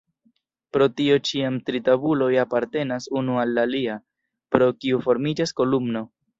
Pro tio ĉiam tri tabuloj apartenas unu al la alia, pro kio formiĝas kolumno.